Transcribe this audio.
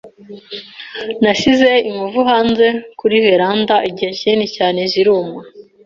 Nasize inkovu hanze kuri veranda igihe kinini cyane ziruma.